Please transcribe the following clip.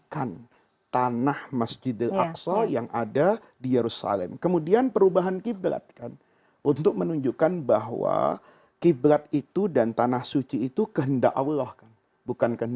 kalau sudah berarti harus dikeluarkan